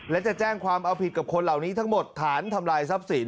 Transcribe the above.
และจะแจ้งความเอาผิดกับคนเหล่านี้ทั้งหมดฐานทำลายทรัพย์สิน